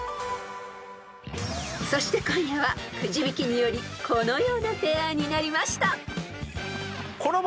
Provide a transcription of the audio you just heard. ［そして今夜はくじ引きによりこのようなペアになりました］